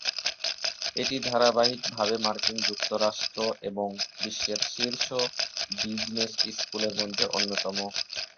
এটি ধারাবাহিকভাবে মার্কিন যুক্তরাষ্ট্র এবং বিশ্বের শীর্ষ বিজনেস স্কুলের মধ্যে অন্যতম।